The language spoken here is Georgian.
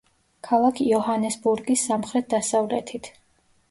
ქალაქ იოჰანესბურგის სამხრეთ-დასავლეთით.